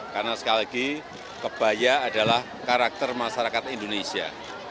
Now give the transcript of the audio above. karena sekali lagi kebaya adalah karakter masyarakat indonesia